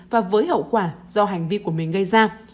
và với hậu quả do hành vi của mình gây ra